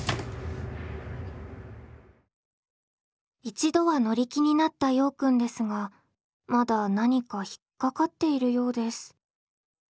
一度は乗り気になったようくんですがまだ何か引っ掛かっているようです。